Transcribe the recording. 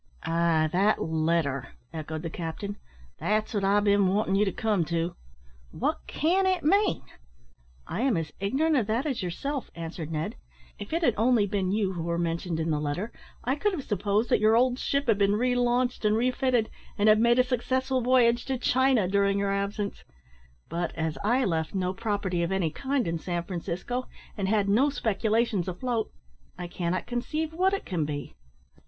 "Ay, that letter," echoed the captain; "that's what I've bin wantin' you to come to. What can it mean?" "I am as ignorant of that as yourself," answered Ned; "if it had only been you who were mentioned in the letter, I could have supposed that your old ship had been relaunched and refitted, and had made a successful voyage to China during your absence; but, as I left no property of any kind in San Francisco, and had no speculations afloat, I cannot conceive what it can be."